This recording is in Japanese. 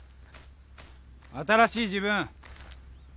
新しい自分！